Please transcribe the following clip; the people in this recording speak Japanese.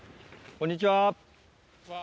こんにちは。